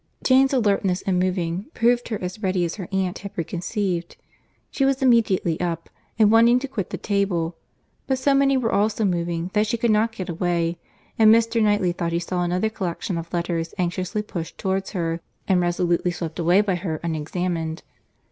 Jane's alertness in moving, proved her as ready as her aunt had preconceived. She was immediately up, and wanting to quit the table; but so many were also moving, that she could not get away; and Mr. Knightley thought he saw another collection of letters anxiously pushed towards her, and resolutely swept away by her unexamined.